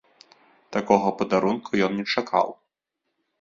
Такога падарунку ён не чакаў.